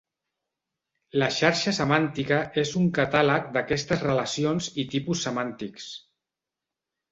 La xarxa semàntica és un catàleg d'aquestes relacions i tipus semàntics.